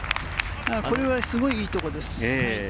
これはすごいいいところです。